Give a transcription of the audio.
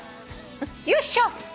よいしょ。